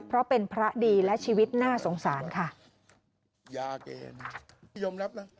เพราะเป็นพระดีและชีวิตน่าสงสารค่ะ